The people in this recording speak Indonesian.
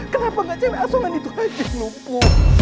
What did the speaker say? kenapa gak cewek asongan itu aja lupu